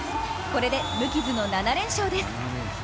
これで無傷の７連勝です。